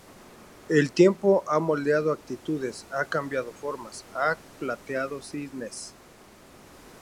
El tiempo ha moldeado actitudes; ha cambiado formas; ha plateado sienes.